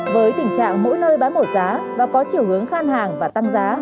với tình trạng mỗi nơi bán một giá và có chiều hướng khan hàng và tăng giá